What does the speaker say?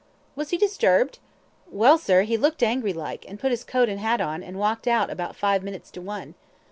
"Was he disturbed!" "Well, sir, he looked angry like, and put his coat and hat on, and walked out about five minutes to one."